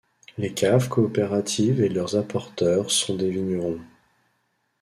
Les caves coopératives et leurs apporteurs sont des vignerons.